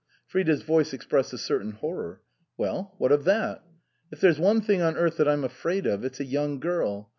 Frida's voice expressed a certain horror. "Well, what of that?" " If there's one thing on earth that I'm afraid of, it's a young girl.